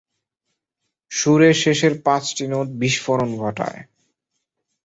সুরের শেষের পাঁচটা নোট বিস্ফোরণ ঘটায়।